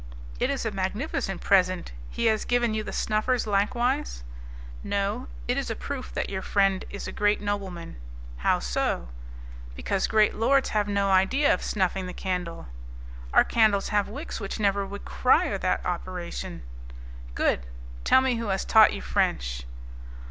"It is a magnificent present, has he given you the snuffers likewise?" "No" "It is a proof that your friend is a great nobleman." "How so?" "Because great lords have no idea of snuffing the candle." "Our candles have wicks which never require that operation." "Good! Tell me who has taught you French."